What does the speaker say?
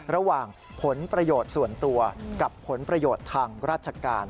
ระหว่างผลประโยชน์ส่วนตัวกับผลประโยชน์ทางราชการ